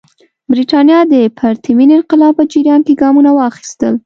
برېټانیا د پرتمین انقلاب په جریان کې ګامونه واخیستل.